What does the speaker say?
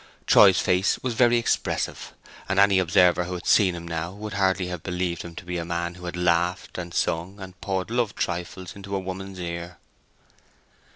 Troy's face was very expressive, and any observer who had seen him now would hardly have believed him to be a man who had laughed, and sung, and poured love trifles into a woman's ear.